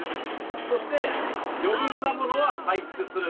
そして余分なものは排出する。